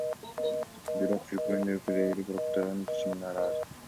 Бирок чиркөөнүн өкүлдөрү прокуратуранын чечимине нааразы.